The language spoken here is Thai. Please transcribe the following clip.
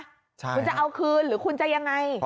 คุณจะเอาคืนหรือคุณจะยังไง